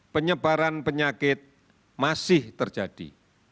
penyebaran penyakit masih terjadi